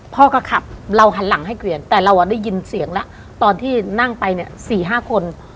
พ่อก็ขับเราหันหลังให้เกลียนแต่เราได้ยินเสียงแล้วตอนที่นั่งไปเนี่ย๔๕คน